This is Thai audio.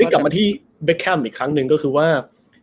กลับมาที่เบคแคมป์อีกครั้งหนึ่งก็คือว่า